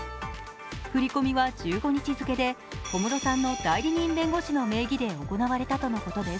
振り込みは１５日付けで小室さんの代理人弁護士の名義で行われたということです。